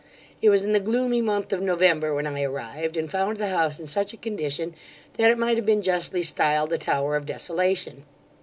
It was in the gloomy month of November, when I arrived, and found the house in such a condition, that it might have been justly stiled the tower of desolation.